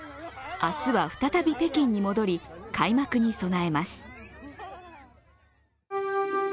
明日は再び、北京に戻り、開幕に備えます。